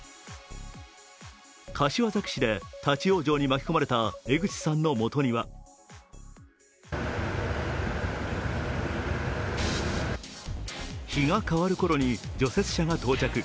柏崎市で立往生に巻き込まれた江口さんの元には日が変わるころに除雪車が到着。